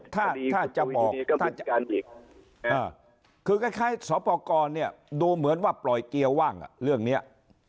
ถ้าจะบอกคือคล้ายสอปกรณ์เนี่ยดูเหมือนว่าปล่อยเกียวว่างเรื่องเนี้ย